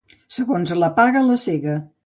Segons la paga, la sega.